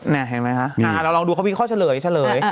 นี่เห็นไหมคะเราลองดูเขาวิเคราะห์เฉลย